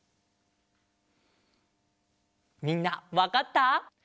みんなわかった？